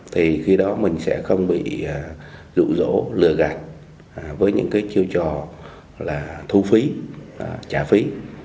thì khi đó mình sẽ không bị rụ rỗ lừa gạt với những cái chiêu trò là thu phí trả phí